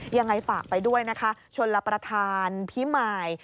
ยังไงฝากไปด้วยนะคะชนรับประทานพิมาย